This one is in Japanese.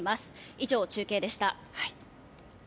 以上、中継でした。